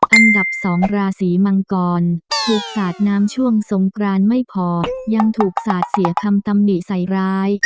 อันดับ๒ราศีมังกรถูกสาดน้ำช่วงสงกรานไม่พอยังถูกสาดเสียคำตำหนิใส่ร้าย